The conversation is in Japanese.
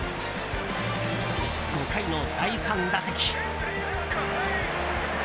５回の第３打席。